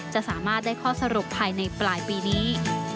จะสามารถได้ข้อสรุปภายในปลายปีนี้